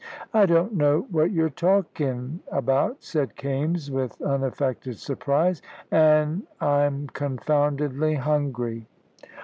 "I don't know what you're talkin' about," said Kaimes, with unaffected surprise, "an' I'm confoundedly hungry."